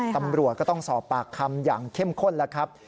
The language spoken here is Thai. ตำรวจก็ต้องสอบปากคำอย่างเข้มข้นแล้วครับ